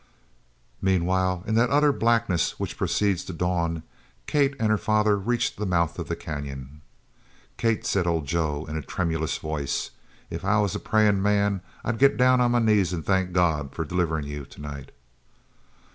Meanwhile, in that utter blackness which precedes the dawn, Kate and her father reached the mouth of the canyon. "Kate," said old Joe in a tremulous voice, "if I was a prayin' man I'd git down on my knees an' thank God for deliverin' you tonight."